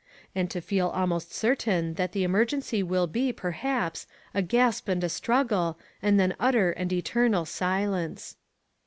And to feel almost certain that the emergency will be, perhaps, a gasp and a struggle, and then utter and eter nal silence.